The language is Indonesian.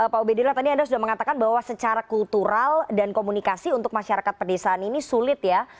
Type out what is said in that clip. pak ubedillah tadi anda sudah mengatakan bahwa secara kultural dan komunikasi untuk masyarakat pedesaan ini sulit ya